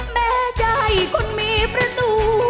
แม้ใจคุณมีประตู